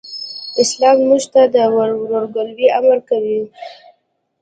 اسلام موږ ته د ورورګلوئ امر کوي.